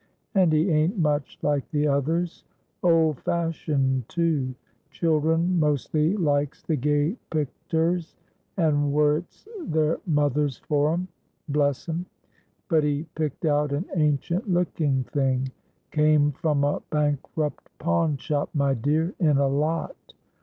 "And he ain't much like the others. Old fashioned, too. Children mostly likes the gay picters, and worrits their mothers for 'em, bless 'em! But he picked out an ancient looking thing,—came from a bankrupt pawnshop, my dear, in a lot.